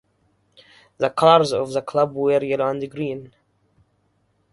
The colours of the club were yellow and green.